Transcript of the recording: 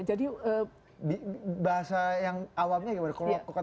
jadi bahasa yang awalnya gimana